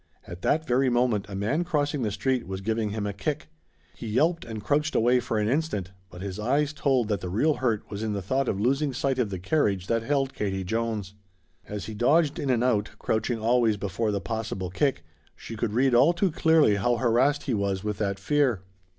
At that very moment a man crossing the street was giving him a kick. He yelped and crouched away for an instant, but his eyes told that the real hurt was in the thought of losing sight of the carriage that held Katie Jones. As he dodged in and out, crouching always before the possible kick, she could read all too clearly how harassed he was with that fear.